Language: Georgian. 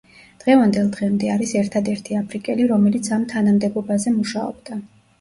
დღევანდელ დღემდე არის ერთადერთი აფრიკელი, რომელიც ამ თანამდებობაზე მუშაობდა.